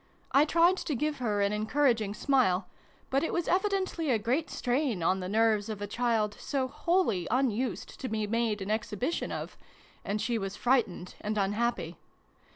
I tried to give her an encouraging smile, but it was evidently a great strain on the nerves of a child so wholly unused to be made an exhibition of, and she was frightened and unhappy.